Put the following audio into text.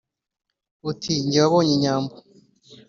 uti « jye wabonye inyambo,